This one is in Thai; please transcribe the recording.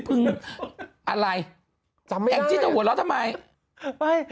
พึ่งอะไรแอ่งจิ๊ดเอาหัวเราะทำไม